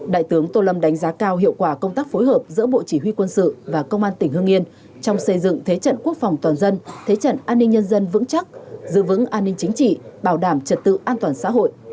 đại tướng tô lâm đánh giá cao hiệu quả công tác phối hợp giữa bộ chỉ huy quân sự và công an tỉnh hương yên trong xây dựng thế trận quốc phòng toàn dân thế trận an ninh nhân dân vững chắc giữ vững an ninh chính trị bảo đảm trật tự an toàn xã hội